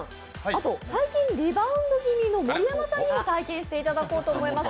あと最近リバウンド気味の盛山さんにも体験していただこうと思います。